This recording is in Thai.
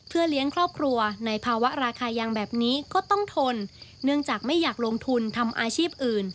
เพื่อเลี้ยงครอบครัวในภาวะราคายางแบบนี้ก็ต้องทนเนื่องจากไม่อยากลงทุนทำอาชีพอื่น